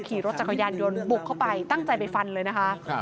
ขี่รถจักรยานยนต์บุกเข้าไปตั้งใจไปฟันเลยนะคะ